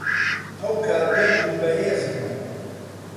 ئەو کات گەنج و بەهێز بووم.